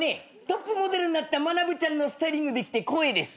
トップモデルになったまなぶちゃんのスタイリングできて光栄です。